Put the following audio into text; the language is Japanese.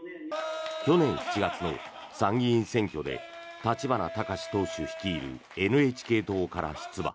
去年７月の参議院選挙で立花孝志党首率いるＮＨＫ党から出馬。